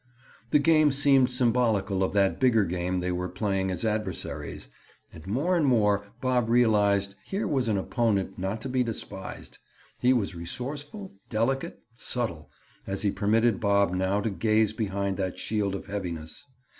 The game seemed symbolical of that bigger game they were playing as adversaries, and more and more Bob realized here was an opponent not to be despised. He was resourceful, delicate, subtle, as he permitted Bob now to gaze behind that shield of heaviness.